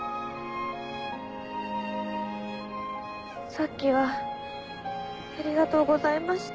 さっきはありがとうございました。